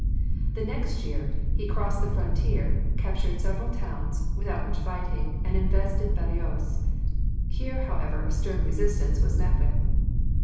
The next year he crossed the frontier, captured several towns, without much fighting, and invested Badajos. Here, however, a stern resistance was met with.